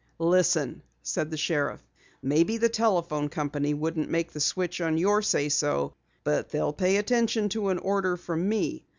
"Listen!" said the sheriff. "Maybe the telephone company couldn't make the switch on your say so, but they'll pay attention to an order from me.